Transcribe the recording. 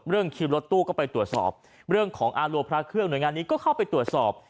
คิวรถตู้ก็ไปตรวจสอบเรื่องของอารัวพระเครื่องหน่วยงานนี้ก็เข้าไปตรวจสอบ